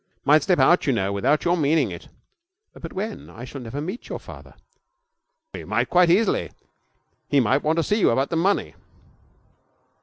'Might slip out, you know, without your meaning it.' 'But when? I shall never meet your father.' 'You might quite easily. He might want to see you about the money.'